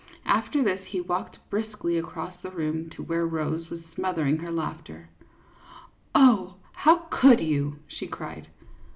After this he walked briskly across the room to where Rose was smothering her laughter. " Oh, how could you ?" she cried.